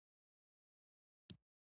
هیواد ورځپاڼه څه خپروي؟